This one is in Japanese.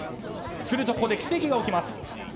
すると、ここで奇跡が起きます。